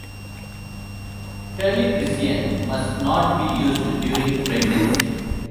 Terlipressin must not be used during pregnancy.